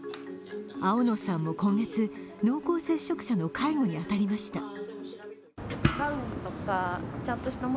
青野さんも今月、濃厚接触者の介護に当たりました。